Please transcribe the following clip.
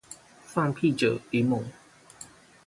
放屁者聯盟